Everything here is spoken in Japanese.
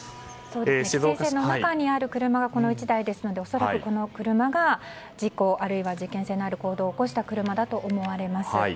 規制線の中にある車はこの１台ですので恐らくこの車が事故あるいは事件性のある行動を起こした車だと思われます。